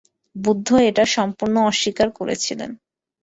বুদ্ধ এটা সম্পূর্ণ অস্বীকার করেছিলেন।